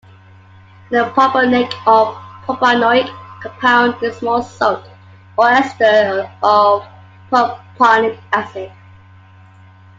A propionic or propanoic compound is a small salt or ester of propionic acid.